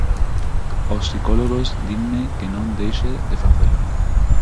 Os psicólogos dinme que non deixe de facelo.